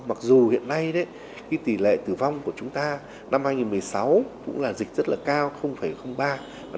mặc dù hiện nay tỷ lệ tử vong của chúng ta năm hai nghìn một mươi sáu cũng là dịch rất là cao ba